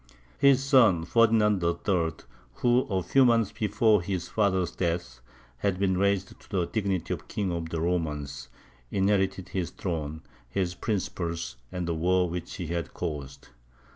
His son, Ferdinand III., who, a few months before his father's death, had been raised to the dignity of King of the Romans, inherited his throne, his principles, and the war which he had caused.